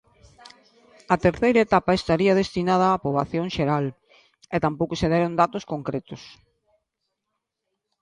A terceira etapa estaría destinada a poboación xeral, e tampouco se deron datos concretos.